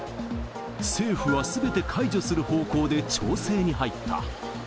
政府はすべて解除する方向で調整に入った。